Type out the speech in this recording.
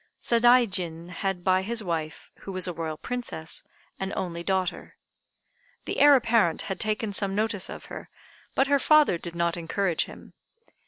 Sadaijin had by his wife, who was a Royal Princess, an only daughter. The Heir apparent had taken some notice of her, but her father did not encourage him.